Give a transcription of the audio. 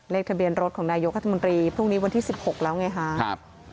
เลขทะเบียนรถของนายยกขาธรรมรีพรุ่งนี้วันที่๑๖แล้วไงฮะ